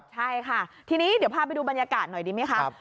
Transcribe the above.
ใช่ค่ะทีนี้เดี๋ยวพาไปดูบรรยากาศหน่อยดีไหมคะ